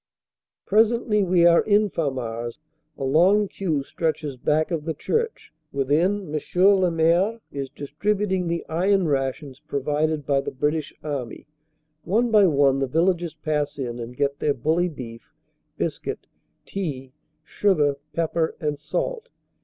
Presently we are in Famars. A long queue stretches back of the church. Within M. le Maire is distributing the iron rations provided by the British Army. One by one the vil lagers pass in and get their bully beef, biscuit, tea, sugar, pep per and salt.